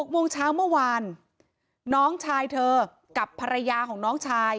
โมงเช้าเมื่อวานน้องชายเธอกับภรรยาของน้องชาย